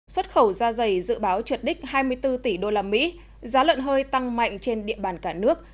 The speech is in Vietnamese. xuất khẩu da dày dự báo trượt đích hai mươi bốn tỷ usd giá lợn hơi tăng mạnh trên địa bàn cả nước